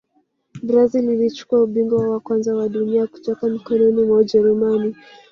brazil ilichukua ubingwa wa kwanza wa dunia kutoka mikononi mwa ujerumani